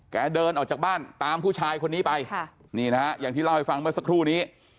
เดินออกจากบ้านตามผู้ชายคนนี้ไปค่ะนี่นะฮะอย่างที่เล่าให้ฟังเมื่อสักครู่นี้